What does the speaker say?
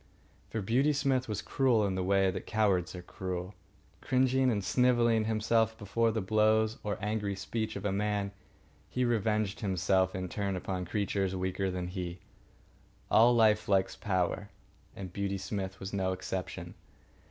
For Beauty Smith was cruel in the way that cowards are cruel. Cringing and snivelling himself before the blows or angry speech of a man, he revenged himself, in turn, upon creatures weaker than he. All life likes power, and Beauty Smith was no exception.